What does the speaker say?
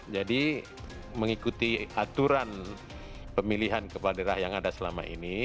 jadi mengikuti aturan pemilihan kepala daerah yang ada selama ini